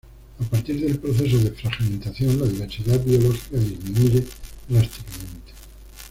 A partir del proceso de fragmentación la diversidad biológica disminuye drásticamente.